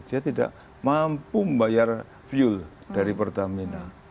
dia tidak mampu membayar fuel dari pertamina